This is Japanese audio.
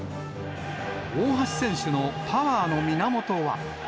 大橋選手のパワーの源は。